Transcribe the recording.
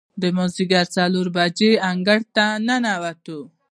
د مازدیګر څلور بجې انګړ ته ننوتو.